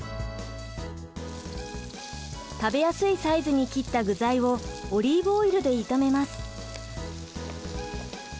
食べやすいサイズに切った具材をオリーブオイルで炒めます。